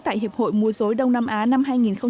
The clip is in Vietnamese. tại hiệp hội mùa dối đông nam á năm hai nghìn một mươi bốn